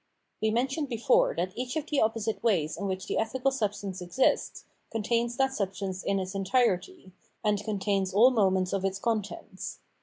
We mentioned before that each of the opposite ways in which the ethical substance exists, contains that substance in its enticety, and contains all moments of its contents.